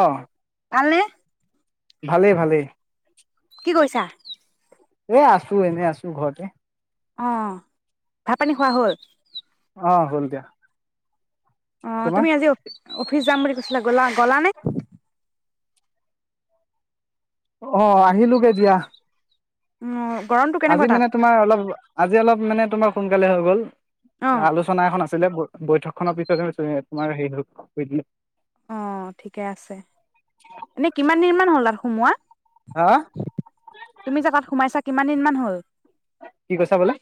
অহ। ভালনে? ভালেই ভালেই। কি কৰিছা এ আছোঁ‌ এনেই আছো ঘৰতে। অ' ভাত পানী খোৱা হ'ল? অ হ'ল দিয়া। অ' তোমাৰ তুমি আজি অ'। অফিচ যাম বুলি কৈছিলা গলা গ'লা নে? অ' আহিলো গে দিয়া। অ' গৰমটো কেনেকুৱা আজি তাত মানে তোমাৰ অলপ। আজি অলপ মানে তোমাৰ সোনকালে হৈ গ'ল। অ আলোচনা এখন আছে। আছিল বৈঠক খনৰ পিছতেই তোমাৰ হেৰি অ ঠিকে আছে এনে কিমান দিন মান হ'ল আৰু সোমোৱা। হা তুমি জেগাত সোমাইছা। কিমান দিনমান হ'ল কি কৈছা বোলে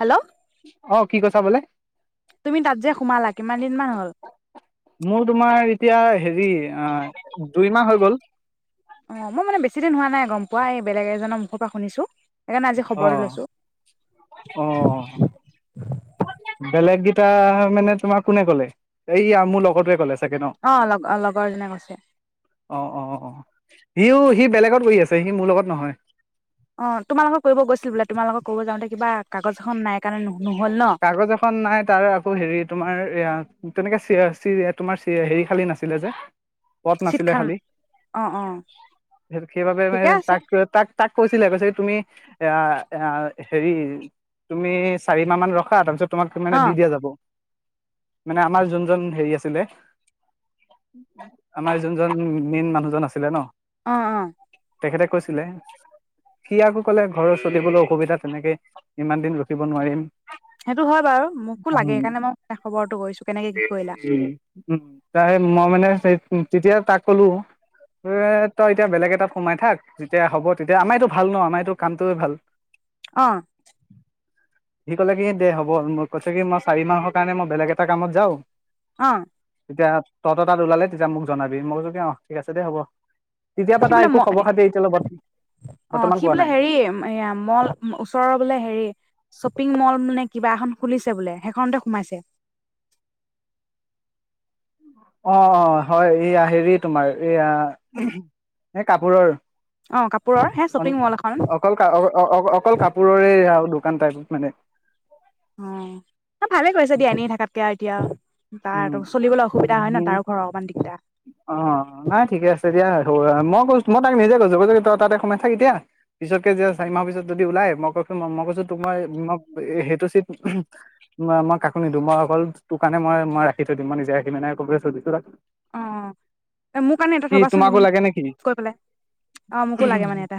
হেল্ল' অ কি কৈছা বোলে? তুমি তাত যে সোমালা কিমান দিনমান হল? মোৰ তোমাৰ এতিয়া হেৰি অ', দুই মাহ হৈ গ'ল। অ' মই মানে বেছিদিন হোৱা নাই গম পোৱা এই বেলেগ এজনৰ মুখৰ পৰা শুনিছো। সেইকাৰণে আজি অ খবৰটো লৈছো অ বেলেগ কেইটা মানে তোমাৰ কোনে ক'লে এইয়া মোৰ লগটোৱে ক'লে। চাগে ন অ 'লগ লগৰজনে কৈছে। অ - অ -অ সিও সি বেলেগত গৈ আছে সি মোৰ লগত নহয়। অ তোমাৰলগত কৰিব গৈছিল বোলে তোমাৰলগত‌ কৰিব যাওঁতে কিবা কাগজ এখন নাই কাৰণে নহ'ল। ন কাগজ এখন নাই তাৰ আকৌ হেৰি তোমাৰ - এয়া তেনেকে স্তিয়াষ্টিৰে তোমাৰ হেৰি খালী নাছিলে যে পথ নাছিলে চিটখন খালি অ অ সেইবাবে ঠিকে মানে আছে তাক -তাক -তাক কৈছিলে কৈছে তুমি এয়া -এ হেৰি তুমি চাৰি মাহ মান ৰখ [inaudible] তোমাক মানে অ দি দিয়া যাব। মানে আমাৰ যোনজন হেৰি আছিলে আমাৰ যোনজন মেইন মানুহজন আছিলে ন অ -অ তেখেতে কৈছিলে সি আকো কলে ঘৰৰ চলিবলৈ অসুবিধা তেনেকে ইমান দিন ৰখিব নোৱাৰিম। সেইটো হয় বাৰু মোকো উ লাগে সেইকাৰণে মই খবৰটো কৰিছো কেনেকে কি কৰিলা -ত -মই মানেই উ' তেতিয়া তাক ক'লো এ তই এতিয়া বেলেগ এটাত সোমাই থাক যেতিয়া হ'ব তেতিয়া আমাৰতো ভাল ন আমাৰতো কামটোয়ে ভাল। অ সি ক'লে কি সি দে হ'ব মই কৈছ কি মই চাৰি মাহৰ কাৰণে মই বেলেগ এটা কামত যাওঁ। অ তেতিয়া তহতৰ তাত ওলালে তেতিয়া মোক জনাবি মই কছৈ কি অ ঠিক আছে দে হ'ব। তেতিয়াৰ সি পৰা তাৰ বোলে ম একো খবৰ খাতি এতিয়ালৈ বৰ্ত অ ', বৰ্তমান সি পোৱা বোলে নাই হেৰি এ' মল ওচৰৰ বোলে হেৰি শ্বপিং মলে কিবা এখন খুলিছে বোলে সেইখনতে সোমাইছে। অ - অ হয় এইয়া হেৰি তোমাৰ এইয়া এ কাপোৰৰ অ কাপোৰৰ হে অ' শ্বপিং মল এখন অকল অ অকল কাপোৰৰে দু কাম কাজত মানে উম অ' ভালে কৰিছ দিয়া এনেই থাকাতকে আৰু এতিয়া। তাৰ চলিবলৈ অসুবিধা হয় ন উ' তাৰো ঘৰৰ অকমান দিগদাৰ অ 'নাই ঠিকে আছে দিয়া মই কৈছো। মই তাক নিজে কৈছো, কৈছো কি তই তাতে সোমাই থাক এতিয়া পিছতকে যে চাৰি মাহৰ পিছত যদি ওলাই মই কৈছো- মই কৈছো তোক 'মই -মই সেইটো চিট মই কাকো নিদিওঁ মই অকল তোৰ কাৰণে মই মই ৰাি থ দিম মই নিজেখি নাই কবছিছো অ মোৰ কাৰণে এটা কি' থবাচোন তোমাকো তুমি লাগে নেকি কৈ পেলাই অ মোকো লাগে মানে এটা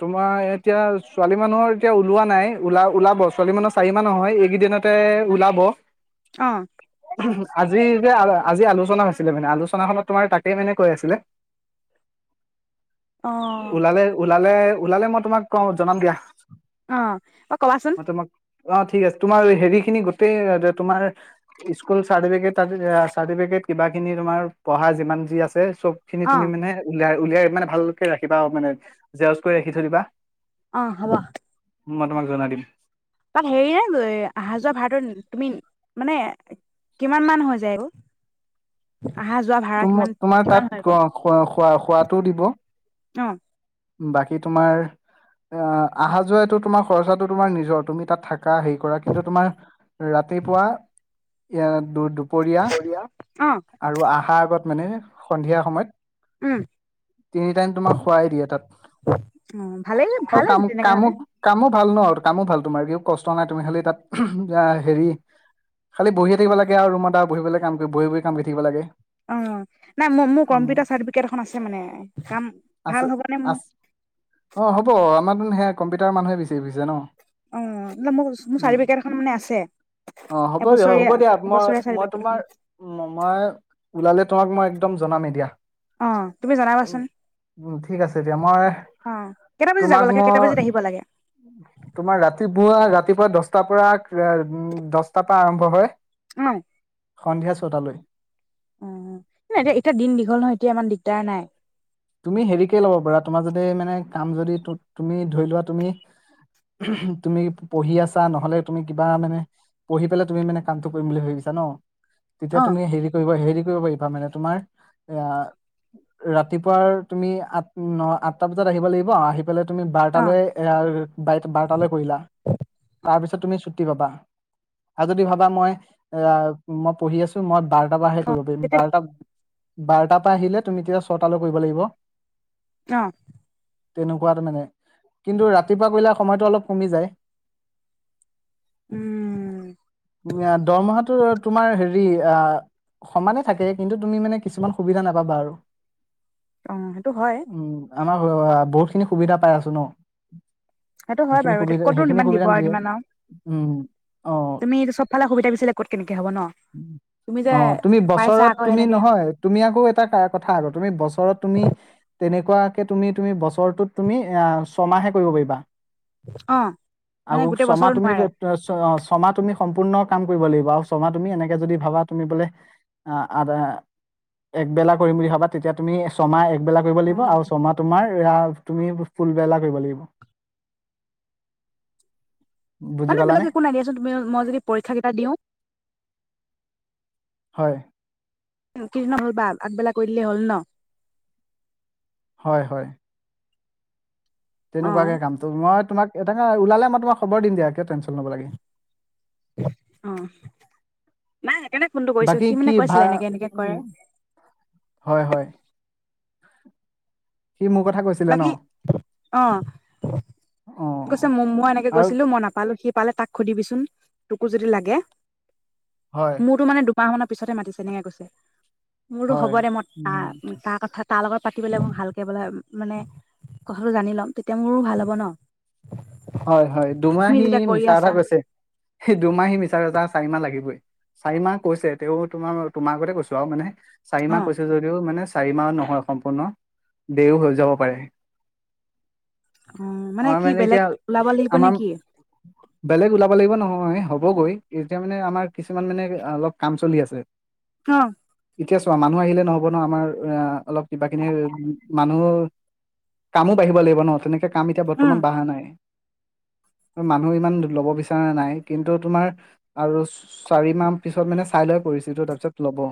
তোমাৰ এতিয়া? ছোৱালী মানুহৰ এতিয়া ওলোৱা নাই ওলা ওলাব ছোৱালী মানুহৰ চাৰি মাহ নহয় এইকেইদিনতে ওলাব অ আজি যে আজি আলোচনা হৈছিলে মানে আলোচনাখনত তোমাৰ তাকেই মানে কৈ আছিলে। অ ওলালে ওলালে ওলালে মই তোমাক কও জনাম দিয়া। অ' অ কবাচোন। মই তোমাক অ ঠিক আছে তোমাৰ হেৰি খিনি গোটেই অ দ তোমাৰ স্কুল চাৰ্টিফিকেট - তাৰ চাৰ্টিফিকেট কিবা খিনি তোমাৰ পঢ়া যিমান যি আছে। চবখিনি অ তুমি মানে উলাৰ উলিয়াই মানে ভালকে ৰাখিবা আৰু মানে, জেৰক্স কৰি ৰাখি থৈ দিবা। অ হব। মই তোমাক জনাই দিম। তাত হেৰি এ আহা যোৱা ভাৰাটো তুমি মানে কিমান মান হৈ যায় অ? অহা যোৱা ভাড়া কিমান তুম- তোমাৰ কিমান তাত হয় খ বাৰু - খ - খোৱা - খোৱাতটোও দিব। অ' বাকী তোমাৰ, আ, আহা-যোৱা এটো তোমাৰ খৰচাটো তোমাৰ নিজৰ তুমি তাত থাক কাৰ হেৰি কৰা কিন্তু তোমাৰ, ৰাতিপুৱা [unintelligible] দুপৰীয়া, অ আৰু আহাৰ আগত মানে সন্ধিয়া উম সময়ত তিনি টাইম তোমাক খোৱাএ দিয়ে তাত। অ ভালেই অ ভালে তেনেকে হলে কাম-কামো-কামো ভাল ন আৰু কামো ভাল তোমাৰ [unintelligible] কষ্ট নাই তুমি খালি তাত। হেৰি, খালি বহিয়ে থাকিব লাগে আৰু ৰুমত আৰু বহি পেলাই কাম কৰি বহি-বহি কাম কৰি থাকিব লাগে। অ'। নাই মোৰ- মোৰ উম কম্পিউটাৰ চাৰ্টিফিকেট এখন আছে মানে কাম ভাল আছে হ'ব আছ। অ হ'ব আমাৰ উম সেইয়া কম্পিউটাৰৰ মানুহে বিচাৰি ফুৰিছে ন। অ মোৰ - মোৰ উম চাৰ্টিফিকট এখন মানে আছে। অ হ'ব দিয়া হ'ব এবছৰীয়া- দিয়া মই এবছৰীয়া মই চাৰটিফিকেট তোমাৰ এখন। মই ওলালে তোমাক মই একদম জনামে দিয়া। অ' তুমি জনাবাচোন। উম ঠিক আছে দিয়া মই অ কেইটা বাজিত যাব তোমাক লাগে কেইটা মই বাজিত আহিব লাগে তোমাৰ ৰাতিপুৱা- ৰা ৰাতিপুৱা দচটাৰ পৰা [unintelligible] দচটাৰ পৰা আৰম্ভ হয়। অঁ সন্ধিয়া ছটালৈ। অ' অ' এতিয়া - এতিয়া দিন দীঘল নহয় এতিয়া ইমান দিগদাৰ নাই। তুমি হেৰিকে লব পাৰা তোমাৰ যদি মানে কাম যদি তু - তুমি ধৰি লোৱা তুমি - তুমি পঢ়ি আছা নহলে তুমি কিবা মানে পঢ়ি পেলে তুমি মানে কামটো কৰিম বুলি ভাবিছা ন। তেতিয়া অ তুমি হেৰি কৰিবা হেৰি কৰিব পাৰি বা মানে তোমাৰ এয়া ৰাত ৰাতিপুৱাৰ তুমি আঠ আঠটা বজাত আহিব লাগিব। এফালে তুমি বাৰ অ তালৈ [unintelligible] বাৰ তালৈ কৰিলা, তাৰ পিছত তুমি ছুি [unintelligible] পাবা আৰু যদি ভাবা মই এ মই পঢ়ি আছো মই বাৰটা বাৰহে কৰিব তেতিয়া বাৰটা বাৰটাৰ পৰা আহিলে তুমি তেতিয়া ছটালৈ কৰিব লাগিব। অ। তেনেকুৱাত মানে কিন্তু ৰাতিপুৱা কলে সময়তটো অলপ কমি যায়। উম দৰমহাটো তোমাৰ হেৰি আহ সমানে থাকে কিন্তু তুমি মানে কিছুমান সুবিধা নাপাবা আৰু। অ' সেইটো হয় উম আমাৰ বহুত খিনি সুবিধা পাই আছো ন সেইটো হয় সেইখিনি বাৰু এতিয়া সুবিধা ক'তনো সেইখিনি ইমান দিব সুবিধা আৰু নিদিয়ে ইমান আৰু উম অহ তুমি চবফালে সুবিধা বিচাৰিলে ক'ত কেনেকে হ'ব ন তুমি যে অহ তুমি পাইছা বছৰত আকৌ তুমি সেনেকে নহয় তুমি আকৌ এটা কথা আগত বছৰত তুমি তেনেকুৱাকে তুমি তুমি বছৰটোত তুমি অ ছমাহে কৰিব পাৰিবা। অ মানে আকৌ গোটেই ছমাহ বছৰটো তুমি [unintelligible] নোৱাৰে ছমাহ তুমি সম্পূৰ্ণ কাম কৰিব লাগিব আৰু ছমাহ তুমি এনেকে যদি ভাবা তুমি বোলে একবেলা কৰিম বুলি ভাবা তেতিয়া তুমি ছমাহ এক এবেলা কৰিব লাগিব আৰু ছমাহ তোমাৰ য়া [inaudible] তুমি ফুলবেলা কৰিব লাগিব বুজি মানে বেলেগ পালানে একো নাই দিয়াচোন তুমি মই যদি পৰীক্ষা কেইটা দিওঁ হয়। কিৰণ [inaudible] হ'ল বা আগবেলা কৰি দিলেই হ'ল ন হয়, হয় অ তেনেকুৱাকে কামটো মই তোমাক [unintelligible] ওলালে মই তোমাক খবৰ দিম দিয়া কিয় টেনশ্যন ল'ব লাগে? অহ, মাই বাকী কি ভা উ হয় হয় সি মোৰ কথা কৈছিলে ন? বাকী অ গৈছে মই এনেকে আৰু গৈছিলো মই নাপালো সি পালে তাক সুধিবিচোন তোকো যদি লাগে। হয় মোৰতো মানে দু মাহ মানৰ পিছতহে মাতিছে এনেকে কৈছে। মোৰো হয় হ'ব দে মই তাৰ উম তাৰ কথাত তাৰ লগত পাতিবলে মোক ভালকে বোলে মানে কথাটো জানি লম তেতিয়া মোৰো ভাল হ'ব ন? হয় হয় দুমাহ তুমি সি যেতিয়া কৰি মিছা কথা আছা কৈছে। সে দুমাহ সি মিছা কথা জাচ চাৰি মাহ লাগিবই। চাৰি মাহ কৈছে তেওঁ তোমাৰ তোমাৰ আগতে কৈছো আৰু মানে অ চাৰিমাহ কৈছে যদিও মানে চাৰি মাহ নহয় সম্পূৰ্ণ, দেইও হৈ যাব পাৰে। অ মানে আমাৰ কি বেলেগ? এতিয়া ওলাব লাগিব নেকি? ল নহয় হ'বগৈ এতিয়া মানে আমাৰ কিছুমান মানে অলপ কাম চলি আছে। অ এতিয়া চোৱা মানুহ আহিলে নহ'ব ন আমাৰ অ অলপ কিবাকিনি মানুহ কামো বাঢ়িব লাগিব ন। তেনেকে কাম এতিয়া উম বৰ্তমান বাঢ়া নাই। মানুহ ইমান ল'ব বিচৰা নাই কিন্তু তোমাৰ আৰু চা-চাৰি মাহ পিছত মানে চাই লৈ পৰিস্থিতিটো তাৰ পিছত ল'ব।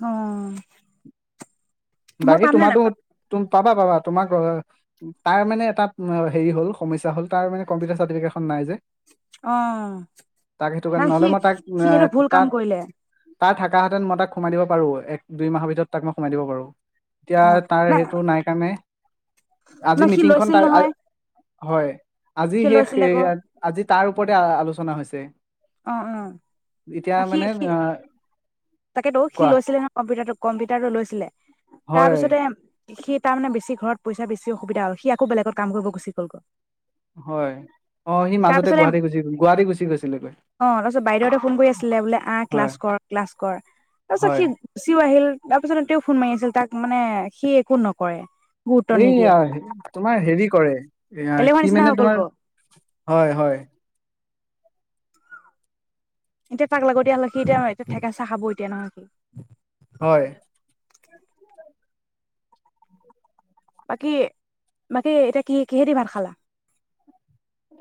অ [inaudible] মই বাকী পাম নে তোমাৰতো নাপাম [unintelligible] পাবা পাবা। তোমাক তাৰ মানে এটা হেৰি হ'ল সমস্যা হ'ল তাৰ মানে কম্পিউটাৰ চাৰ্টিফিকেট খন নাই যে। অ তাক সেইটো কাৰণে নাই নহ'লে সি মই তাক সি এইটো ভুল কাম তাক কৰিলে। তাৰ থাকাহঁতেন মই তাক সোমাই দিব পাৰোঁ। এক দুই মাহৰ ভিতৰত তাক সোমাই দিব পাৰোঁ। এতিয়া তাৰ সেইটো নাই কাৰণে আজি নাই সি মিটিংখন লৈছিল তা নহয় [unintelligible] হয়। আজি সি সে লৈছিল সে আকৌ আজি তাৰ ওপৰতে আলোচনা হৈছে। অ এতিয়া অ সি মানে সি অ' তাকেতো, সি কোৱা লৈছিলে নহয় কম্পিউটাৰটো। কম্পিউটাৰটো লৈছিলে। হয় তাৰপিছতে। সি তাৰ মানে বেছি ঘৰত পইচা বেছি অসুবিধা হ'ল। সি আকৌ বেলেগত কাম কৰিব গুচি গ'লগৈ। হয়, অ সি মাজতে তাৰপিছতে গুৱাহাটী গুচি গ গুৱাহাটী গুচি গৈছিলে। অ তাৰপিছত বাইদেউহতে ফোন কৰি আছিলে বোলে আহ হয় ক্লাছ কৰ ক্লাছ কৰ, তাৰ পিছত সি হয়। গুচিও আহিল তাৰপিছতো তেওঁ ফোন মাৰি আছিল তাক। মানে সি একো নকৰে। গুৰুত্ব নিদিয়ে এয়াই তোমাৰ হেৰি কৰে এলেহুৱা সি নিচিনা হৈ মানে গ'ল গ তোমাৰ, হয় হয়। এতিয়া তাক লাগতিয়াল নহয় সি এয়া থেকেচা খাব এতিয়া নহয় সি। হয়। বাকী বাকী এতিয়া কি কিহেদি ভাত খালা?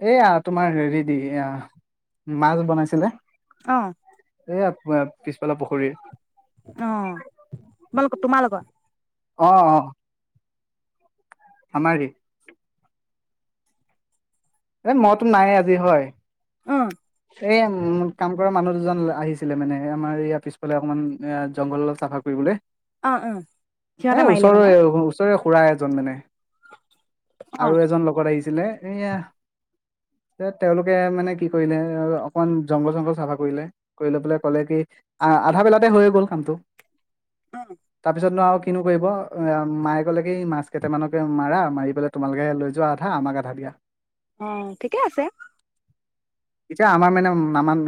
এয়া তোমাৰ হেৰি দি এ মাছ বনাইছিলে। অ এয়াত। পিছফালে পুখুৰীৰ অঁ। তোমালোক' তোমালোকৰ অ', অ'। আমাৰে এ মইতো নাই আজি হয়! অ এ উম কামকৰা মানুহ দুজ জন আহিছিলে মানে আমাৰ ইয়াৰ পিছফালে অকমান এ-জংঘল অলপ চাফা কৰিবলৈ। অ অ এ সিহঁতে মাৰিলে ওচৰৰে মানে আৰু, ওচৰৰে খুৰা এজন মানে। অ অ আৰু এজন লগত আহিছে। ছিলে এয়াহ তেওঁলোকে মানে কি কৰিলে আৰু অকনমান জংঘল-চংঘল চাফা কৰিলে। কৰিলৈ পেলাই ক'লে কি! আ-আধাবেলাতে হয়ে গ'ল কামটো। তাৰপিছত নো আৰু কি কিনো কৰিব, মায়ে ক'লে কি মাছ কেইটামানকে মাৰা, মাৰি পেলাই তোমালোকে লৈ যোৱা আধা আমাক আধা দিয়া। অ' ঠিকে আছে। এতিয়া আমাৰ মানে নামান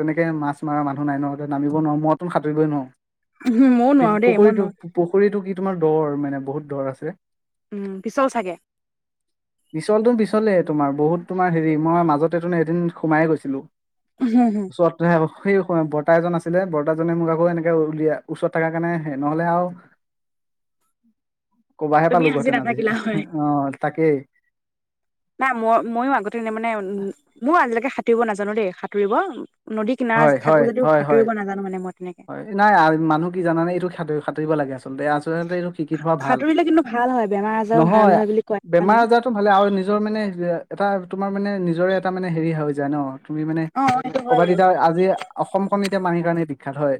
তেনেকে মাছমৰা মানুহ নাই নহ, এতিয়া নামিব নোৱাৰো মই টোন সাঁতুৰিবই নোৱাৰো। উহু ময়ো পিছ নোৱাৰো দেই মই পুখুৰীটো নোৱাৰো পুখুৰীটো কি তোমাৰ দৰ মানে বহুত দৰ আছে। উম পিছল চাগে? বিছলটোম বিছ তোমাৰ বহুত তোমাৰ হেৰি, মই মাজতে তোন এদিন সোমায়ে গৈছিলো। [unintelligible] সেই বৰ্তা এজন আছিলে বৰ্তাজনে মোক আকৌ এনেকে উলিয়াই ওচৰত থকাৰ কাৰণ সে-নহ'লে আৰু ক'বাহে তুমি পালো ঘতেন আজি নাথাকিলা হয় অ'। তাকেই। নাই মই-ময়ো আগতে এনে মানে, মো আজিলৈকে হাত সাঁতুৰিব নাজানো দেই সাঁতুৰিব। নদীৰ কিনাৰত থাকো যদিও সাঁতুৰিব নাজানো মানে মই! তেনেকে হয়-নাই মানুহ কি জানানে এইটো [unintelligible] [unintelligible] আচলতে আচলণতে এইটো শিকি থোৱা ভাল। সাঁতুৰিলে কিন্তু ভাল হয় বেমাৰ আজাৰো ভাল নহয়, হয় বুলি কয় জানো বেমাৰ-আজাৰতো ভালে আৰু নিজৰ মানে এটা তোমাৰ মানে নিজৰে এটা মানে হেৰি হৈ যায় ন? তুমি মানে! অ সেইটো হয় ক'বাত বাৰু এতিয়া আজি অসমখন এতিয়া মানিৰ কাৰণে দিগ খেল হয়।